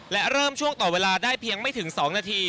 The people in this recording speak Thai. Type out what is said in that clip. และเริ่มช่วงต่อเวลาได้เพียงไม่ถึง๒นาที